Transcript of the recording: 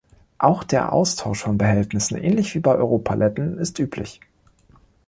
Auch der Austausch von Behältnissen, ähnlich wie bei Europaletten, ist üblich.